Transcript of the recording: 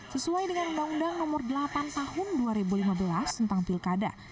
sesuai dengan undang undang nomor delapan tahun dua ribu lima belas tentang pilkada